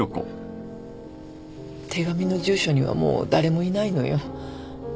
手紙の住所にはもう誰もいないのよ。